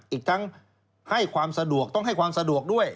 อีกทั้งให้ความสะดวกต้องให้ความสะดวกด้วย